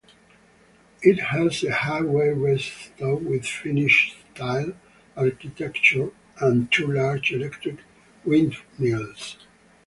It has a highway rest stop with Finnish-style architecture and two large electric windmills.